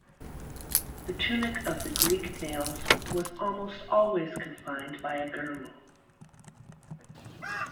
The tunic of the Greek males was almost always confined by a girdle.